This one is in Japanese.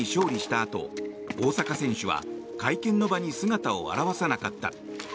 あと大坂選手は会見の場に姿を現さなかった。